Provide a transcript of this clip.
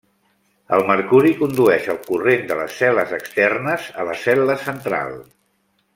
El mercuri condueix el corrent de les cel·les externes a la cel·la central.